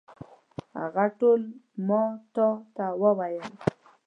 هغه ټول ما تا ته وویل.